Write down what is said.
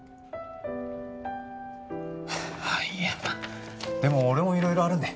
あっいやでも俺も色々あるんで